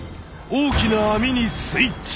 大きなアミにスイッチ。